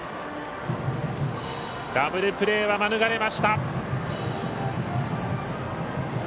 ダブルプレーは免れました。